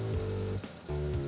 bisa ada kesalahan bagi segalanya